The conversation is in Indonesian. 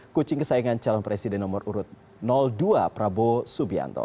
kucing kesayangan calon presiden nomor urut dua prabowo subianto